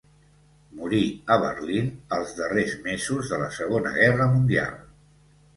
Morí a Berlín els darrers mesos de la Segona Guerra Mundial.